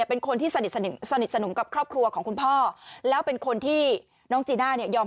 เป็นคนที่สนิทสนิทสนมกับครอบครัวของคุณพ่อแล้วเป็นคนที่น้องจีน่าเนี่ยยอม